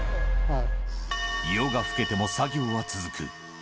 夜が更けても作業は続く。